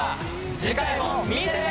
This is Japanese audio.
次回も見てね！